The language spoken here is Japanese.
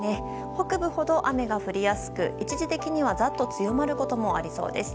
北部ほど雨が降りやすく一時的にはざっと強まることもありそうです。